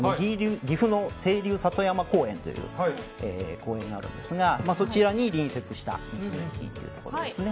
ぎふ清流里山公園という公園があるんですがそちらに隣接した道の駅です。